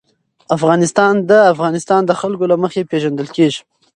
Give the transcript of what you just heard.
افغانستان د د افغانستان جلکو له مخې پېژندل کېږي.